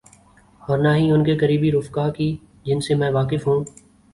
اورنہ ہی ان کے قریبی رفقا کی، جن سے میں واقف ہوں۔